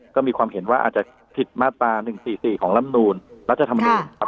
ก็มีความเห็นว่าอาจจะผิดมาตรา๑๔๔ของลำนูลรัฐธรรมนูลครับ